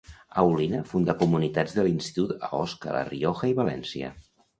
Aulina fundà comunitats de l'institut a Osca, la Rioja i València.